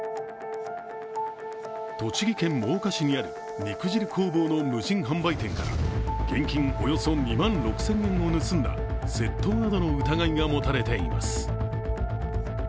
栃木県真岡市にある肉汁工房の無人販売店から現金およそ２万６０００円を盗んだ窃盗などの疑いが持たれています。